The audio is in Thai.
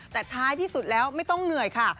แต่ท้ายที่สุดแล้วไม่ต้องเหนื่อยค่ะ